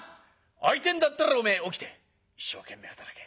会いてえんだったら起きて一生懸命働け。